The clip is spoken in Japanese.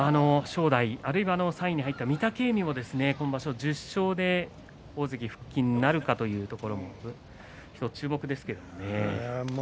正代、あるいは３位になった御嶽海にも今場所１０勝で大関復帰なるかというところ注目ですけどね。